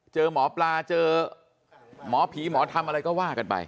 เจอหมอปลาเจอหมอผีหมอทำอะไรก็ว่ากันไป